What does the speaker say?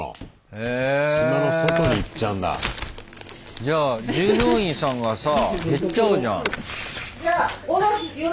じゃあ従業員さんがさ減っちゃうじゃん。